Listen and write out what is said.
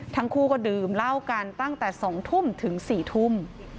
ทั้งคู่ก็ดื่มเหล้ากันตั้งแต่๒ทุ่มถึง๔ทุ่ม